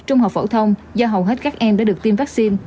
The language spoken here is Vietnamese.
ở bậc trung học phổ thông do hầu hết các em đã được tiêm vaccine